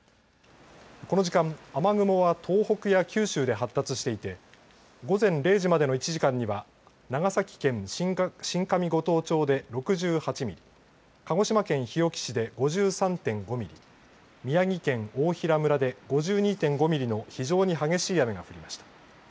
この時間、雨雲は東北や九州で発達していて午前０時までの１時間には長崎県新上五島町で６８ミリ鹿児島県日置市で５３．５ミリ宮城県大衡村で５２．５ミリの非常に激しい雨が降りました。